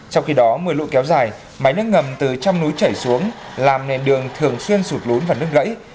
trong khi đó mùi lụ kéo dài máy nước ngầm từ trong núi chảy xuống làm nền đường thường xuyên sụt lún và nước gãy